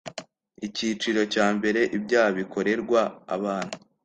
Icyiciro cya mbere Ibyaha bikorerwa abana